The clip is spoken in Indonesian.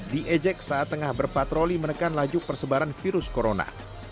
diejek saat tengah berpatroli menekan laju persebaran virus corona